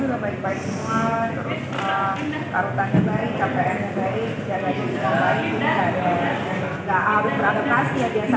terus karutannya baik kpmnya baik siap siap juga baik